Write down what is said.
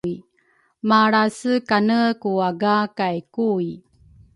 malrase kane ku aga kay Kui.